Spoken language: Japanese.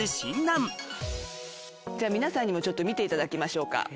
じゃあ皆さんにもちょっと見ていただきましょうか。